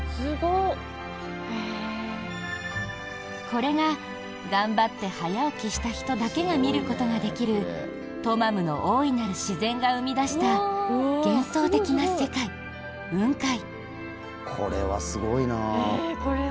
これが、頑張って早起きした人だけが見ることができるトマムの大いなる自然が生み出した幻想的な世界、雲海。